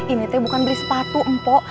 ini teh bukan beli sepatu mpok